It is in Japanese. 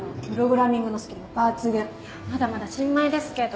まだまだ新米ですけど。